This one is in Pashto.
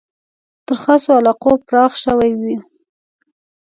تر خاصو علاقو پراخ شوی وي.